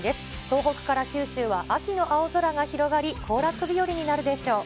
東北から九州は秋の青空が広がり、行楽日和になるでしょう。